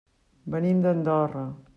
Venim d'Andorra.